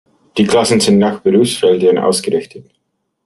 Die Klassen sind nach Berufsfeldern ausgerichtet.